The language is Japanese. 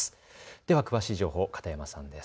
では詳しい情報、片山さんです。